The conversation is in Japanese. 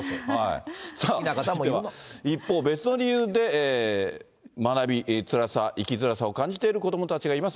さあ、続いては一方、別の理由で学び、生きづらさを感じている子どもたちがいます。